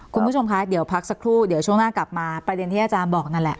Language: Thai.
คุณผู้ชมคะเดี๋ยวพักสักครู่เดี๋ยวช่วงหน้ากลับมาประเด็นที่อาจารย์บอกนั่นแหละ